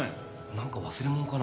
何か忘れ物かな？